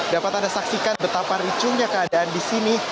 dapat anda saksikan betapa ricunya keadaan di sini